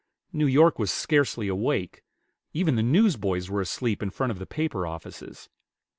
New York was scarcely awake; even the newsboys were asleep in front of the paper offices.